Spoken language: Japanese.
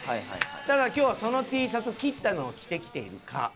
だから今日はそのＴシャツ切ったのを着てきているか？